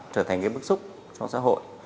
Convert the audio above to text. trở thành cái bức xúc trong xã hội